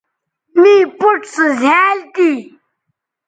می پوڇ سو زھیائنل تھی